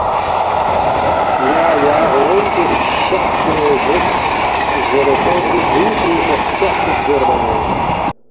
ن٘ا یا غون پو فشقسے زیک“ زیرے کھو سی گری فیُونگسے فشقتُوک زیربا نہ